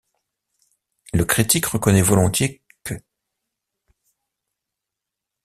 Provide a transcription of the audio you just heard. Le critique reconnaît volontiers qu'.